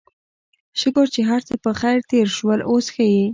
شکر چې هرڅه پخير تېر شول، اوس ښه يې؟